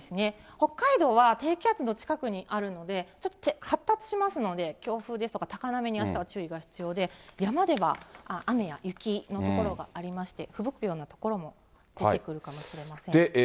北海道は低気圧の近くにあるので、発達しますので強風ですとか高波にあしたは注意が必要で、山では雨や雪の所がありまして、ふぶくような所も出てくるかもしれません。